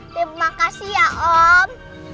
terima kasih ya om